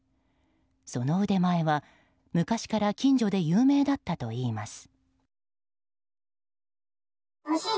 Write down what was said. その腕前は昔から近所で有名だったといいます。